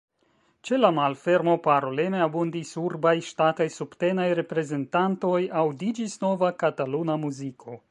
Ĉe la malfermo paroleme abundis urbaj, ŝtataj, subtenaj reprezentantoj, aŭdiĝis nova kataluna muziko.